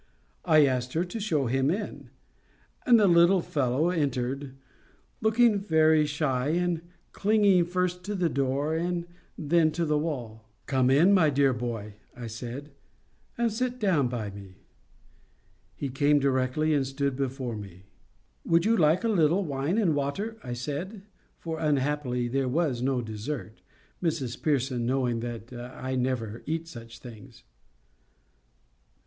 I asked her to show him in; and the little fellow entered, looking very shy, and clinging first to the door and then to the wall. "Come, my dear boy," I said, "and sit down by me." He came directly and stood before me. "Would you like a little wine and water?" I said; for unhappily there was no dessert, Mrs Pearson knowing that I never eat such things.